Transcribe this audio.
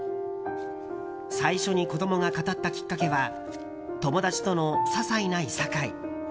最初に子供が語ったきっかけは友達との、ささいないさかい。